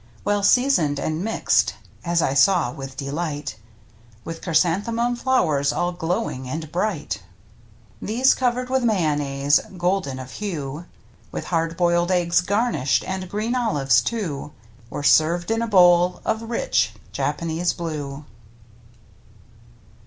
Well seasoned and mixed, as I saw with delight. With Chrysanthemum flowers all glow ing and bright; These covered with mayonnaise, golden of hue. With hard boiled eggs garnished, and green olives too. Were served in a bowl of rich Japanese blue.